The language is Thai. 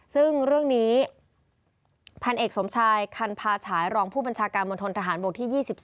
ซึ่งเรื่องนี้พันเอกสมชายคันพาฉายรองผู้บัญชาการมณฑนทหารบกที่๒๒